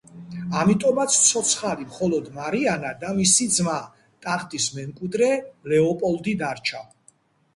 ამიტომაც ცოცხალი მხოლოდ მარიანა და მისი ძმა, ტახტის მემკვიდრე ლეოპოლდი დარჩა.